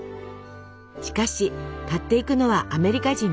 しかし買っていくのはアメリカ人ばかり。